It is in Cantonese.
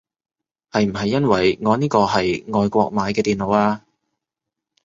係唔係因為我呢個係外國買嘅電腦啊